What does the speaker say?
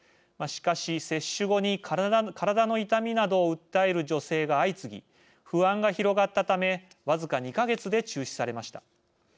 しかし、接種後に体の痛みなどを訴える女性が相次ぎ不安が広がったためわずか２か月で中止されました。